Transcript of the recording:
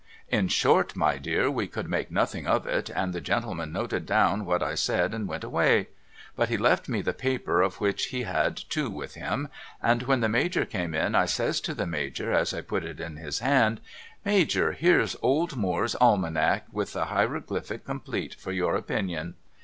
In short my dear, we could make nothing of it, and the gentleman noted down what I said and went away. But he left me the paper of which he had two with him, and when the Major came in I says to the Major as I put it in his hand ' Major here's Old Moore's Almanac with the hieroglyphic complete, for your opinion.'